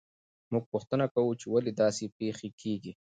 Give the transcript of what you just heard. موږ پوښتنه کوو چې ولې داسې پېښې کیږي.